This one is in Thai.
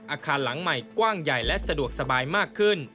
อาคารหลังใหม่กว้างใหญ่และสะดวกสบายมากขึ้น